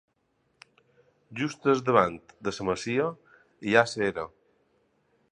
Just al davant de la masia hi ha l'era.